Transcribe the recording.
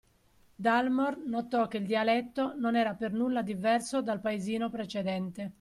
Dalmor notò che il dialetto non era per nulla diverso dal paesino precedente